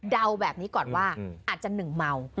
เดาแบบนี้ก่อนว่าอาจจะหนึ่งเมา